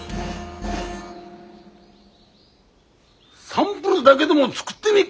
サンプルだげでも作ってみっか？